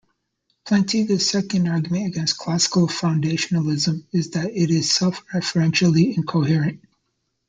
Plantinga's second argument against classical foundationalism is that it is self-referentially incoherent.